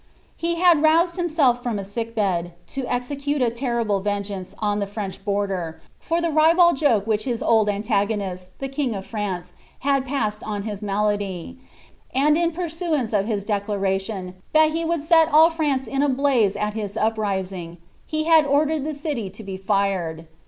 He had roused himself from a sick bed, to execute a terrible vengeance on the French border, for the ribald joke which his old antagonist, the king of France, had passed on his malady ; and in pursuance of his declaration ^ that he would set all France in a Uaze at his uprising,^' he had ordered the city to be fired.